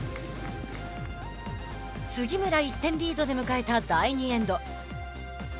杉村、１点リードで迎えた第２エンド。